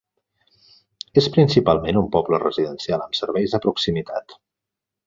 És principalment un poble residencial amb serveis de proximitat.